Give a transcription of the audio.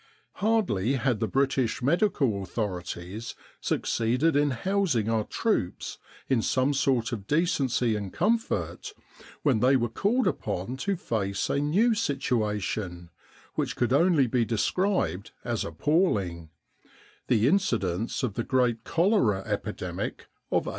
Hardly had the British medical authorities succeeded in housing our troops in some sort of decency and comfort when they were called upon to face a new situation, which could only be described as appalling the incidence of the great cholera epidemic of 1883.